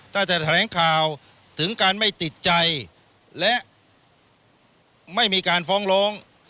ถ้าจะแถลงข่าวถึงการไม่ติดใจและไม่มีการฟ้องร้อง